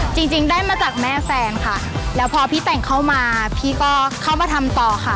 จริงจริงได้มาจากแม่แฟนค่ะแล้วพอพี่แต่งเข้ามาพี่ก็เข้ามาทำต่อค่ะ